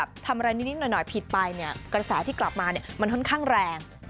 กระแสที่กลับมามันค่อนข้างแรง